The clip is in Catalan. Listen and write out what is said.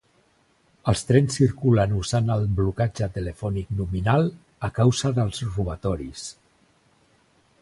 Els trens circulen usant el blocatge telefònic nominal a causa dels robatoris.